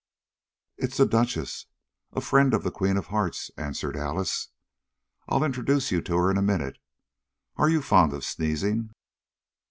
"It's the Duchess a friend of the Queen of Hearts," answered Alice. "I'll introduce you to her in a minute. Are you fond of sneezing?"